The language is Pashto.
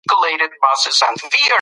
تاوانونه په حقیقت کې تجربې دي.